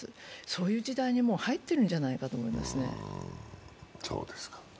そういう時代にもう入っているんじゃないかと思いますね。